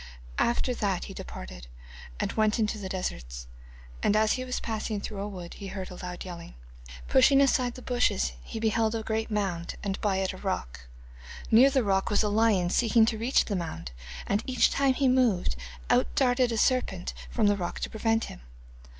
After that he departed, and went into the deserts, and as he was passing through a wood he heard a loud yelling. Pushing aside the bushes he beheld a lion standing on a great mound, and by it a rock. Near the rock was a lion seeking to reach the mound, and each time he moved out darted a serpent from the rock to prevent him.